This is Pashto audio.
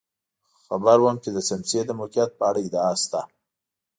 خبر وم چې د څمڅې د موقعیت په اړه ادعا شته.